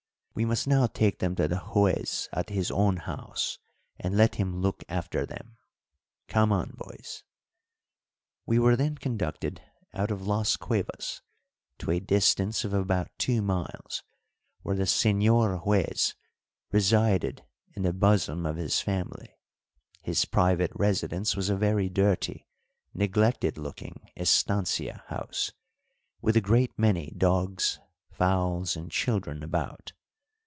We must now take them to the Juez at his own house and let him look after them. Come on, boys." We were then conducted out of Las Cuevas to a distance of about two miles, where the Señor Juez resided in the bosom of his family. His private residence was a very dirty, neglected looking estancia house, with a great many dogs, fowls, and children about.